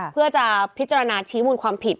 เพื่อจะพิจารณาชี้มูลความผิด